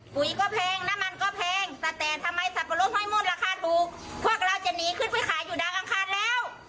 ปุ๊ยก็เพงหน้ามันก็เพงแต่แต่ทำไมสัปปะรดไม่มอดราคาถูก